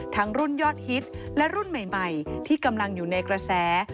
รุ่นยอดฮิตและรุ่นใหม่ที่กำลังอยู่ในกระแส